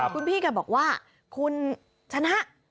คุณพี่แกบอกว่าคุณชนะ